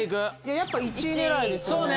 やっぱ１位狙いですよね。